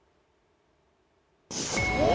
お！